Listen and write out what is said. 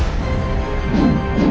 ayo kita berdua